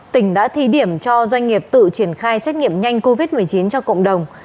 tỉnh đã thí điểm cho doanh nghiệp tự triển khai xét nghiệm nhanh covid một mươi chín cho cộng đồng